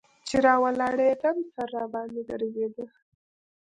چې راولاړېدم سر راباندې ګرځېده.